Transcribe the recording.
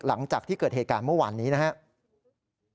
หลังจากที่เกิดเหตุการณ์เมื่อวานนี้นะครับ